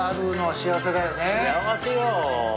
幸せよ。